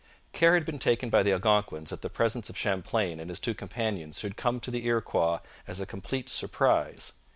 Care had been taken by the Algonquins that the presence of Champlain and his two companions should come to the Iroquois as a complete surprise.